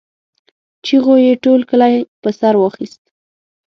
چيغو يې ټول کلی په سر واخيست.